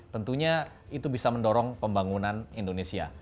tentunya itu bisa mendorong pembangunan indonesia